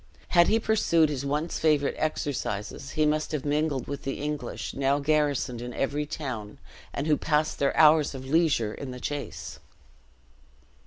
Had he pursued his once favorite exercises, he must have mingled with the English, now garrisoned in every town, and who passed their hours of leisure in the chase.